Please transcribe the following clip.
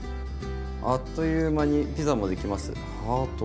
「あっという間にピザもできますハート」。